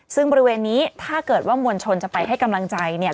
ซึ่งบริเวณนี้ถ้าเกิดว่ามวลชนจะไปให้กำลังใจเนี่ย